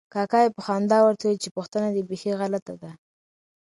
کاکا یې په خندا ورته وویل چې پوښتنه دې بیخي غلطه ده.